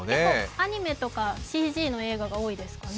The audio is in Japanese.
アニメとかＣＧの映画が多いですかね。